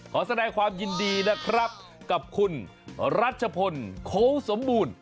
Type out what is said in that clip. ขอแสดงความยินดีนะครับกับคุณรัชพลโค้สมบูรณ์